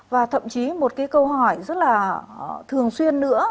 và thậm chí một cái câu hỏi rất là thường xuyên nữa